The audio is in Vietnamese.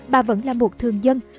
bà vẫn là một thường dân